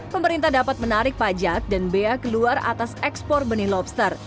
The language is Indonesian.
pemerintah dapat menarik pajak dan bea keluar atas ekspor benih lobster